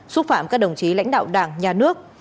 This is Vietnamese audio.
xúc phạm các đồng chí lãnh đạo đảng nhà nước